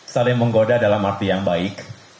saling menggoda dalam arti yang baik